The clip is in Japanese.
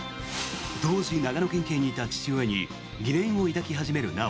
当時、長野県警にいた父親に疑念を抱き始める直央。